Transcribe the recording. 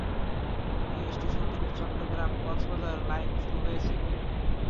এই স্টেশন থেকে চট্টগ্রাম-কক্সবাজার লাইন শুরু হয়েছে।